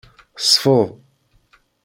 Sfeḍ.